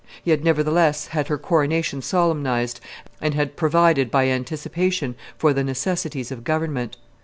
He had, nevertheless, had her coronation solemnized, and had provided by anticipation for the necessities of government.